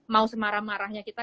mau semarah marahnya kita